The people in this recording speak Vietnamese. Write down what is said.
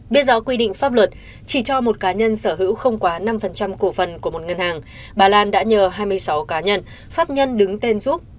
biết rõ quy định pháp luật chỉ cho một cá nhân sở hữu không quá năm cổ phần của một ngân hàng bà lan đã nhờ hai mươi sáu cá nhân pháp nhân đứng tên giúp